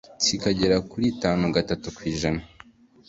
kikagera kuri itanu gatanu kwijana